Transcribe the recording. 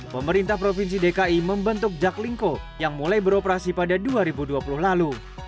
pemerintah provinsi dki membentuk jaklingko yang mulai beroperasi pada dua ribu dua puluh lalu